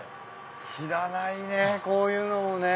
知らないねこういうのもね。